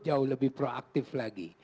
jauh lebih proaktif lagi